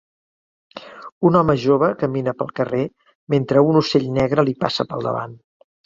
Un home jove camina pel carrer mentre un ocell negre li passa pel davant.